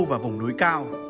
và vùng núi cao